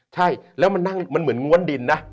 ใช่แล้วมันเหมือนงวลดินนะ